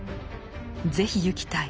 「是非ゆきたい。